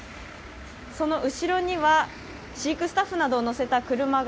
その後ろには飼育スタッフなどを乗せた車が